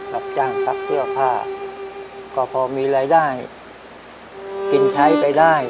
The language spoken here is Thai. รับจ้างซักเสื้อผ้าก็พอมีรายได้กินใช้ไปได้